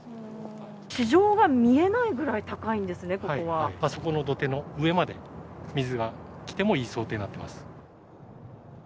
市場が見えないぐらい高いんそこの土手の上まで、水が来てもいい想定になっています。